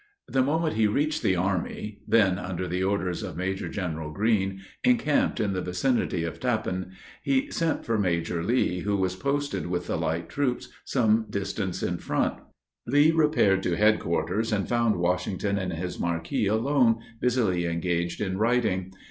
The moment he reached the army, then under the orders of Major General Greene, encamped in the vicinity of Tappan, he sent for Major Lee, who was posted with the light troops some distance in front. Lee repaired to headquarters, and found Washington in his marquee alone, busily engaged in writing.